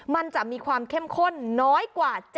มันจะมีความเข้มข้นน้อยกว่า